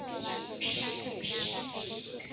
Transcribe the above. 而且超满载